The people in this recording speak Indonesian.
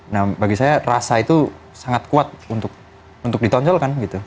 nah bagi saya rasa itu sangat kuat untuk ditonjolkan gitu